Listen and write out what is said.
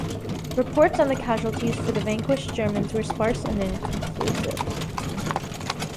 Reports on the casualties for the vanquished Germans were sparse and inconclusive.